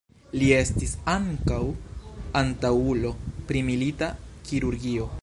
Li estis ankaŭ antaŭulo pri milita kirurgio.